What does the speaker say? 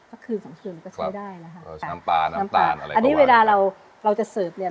ค่ะสักคืนสักคืนมันก็ใช้ได้นะคะน้ำตาลอะไรก็ว่าอันนี้เวลาเราจะเสิร์ฟเนี่ย